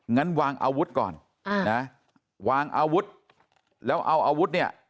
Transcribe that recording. งั้นวางอาวุธก่อนนะวางอาวุธแล้วเอาอาวุธเนี่ย